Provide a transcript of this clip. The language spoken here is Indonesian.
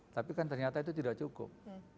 tapi kan ternyata itu tidak cukup